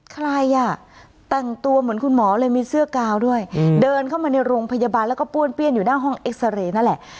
ใครอ่ะแต่งตัวเหมือนคุณหมอเลยมีเสื้อกาวด้วยเดินเข้ามาในโรงพยาบาลแล้วก็ป้วนเปี้ยนอยู่หน้าห้องเอ็กซาเรย์นั่นแหละ